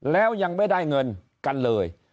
แล้วยังไม่ได้เงินกันเลย